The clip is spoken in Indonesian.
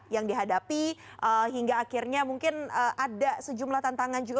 yang dihadapi hingga akhirnya mungkin ada sejumlah tantangan juga